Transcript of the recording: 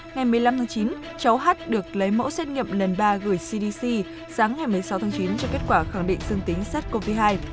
ngày một mươi năm tháng chín cháu h được lấy mẫu xét nghiệm lần ba gửi cdc sáng ngày một mươi sáu tháng chín cho kết quả khẳng định dương tính sars cov hai